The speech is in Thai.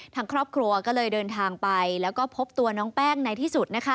ทางครอบครัวก็เลยเดินทางไปแล้วก็พบตัวน้องแป้งในที่สุดนะคะ